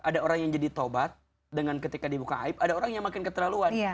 ada orang yang jadi taubat dengan ketika dibuka aib ada orang yang makin keterlaluan